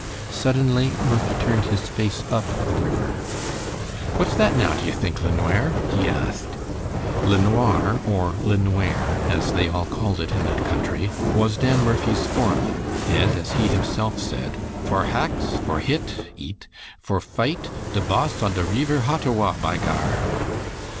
Suddenly Murphy turned his face up the river. "What's that now, d'ye think, LeNware?" he asked. LeNoir, or "LeNware," as they all called it in that country, was Dan Murphy's foreman, and as he himself said, "for haxe, for hit (eat), for fight de boss on de reever Hottawa! by Gar!"